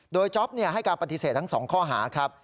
โดยจ๊อปให้การปฏิเสธทั้งสองข้อหา